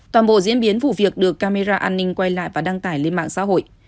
toàn bộ diễn biến vụ việc được camera an ninh quay lại và đăng tải lên mạng xã hội